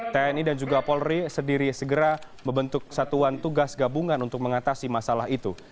tni dan juga polri sendiri segera membentuk satuan tugas gabungan untuk mengatasi masalah itu